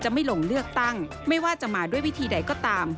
ไม่ลงเลือกตั้งไม่ว่าจะมาด้วยวิธีใดก็ตาม